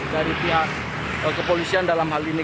dari pihak kepolisian dalam hal ini